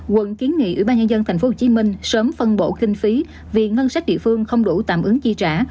quận kiến nghị ủy ban nhân dân tp hcm sớm phân bổ kinh phí vì ngân sách địa phương không đủ tạm ứng chi trả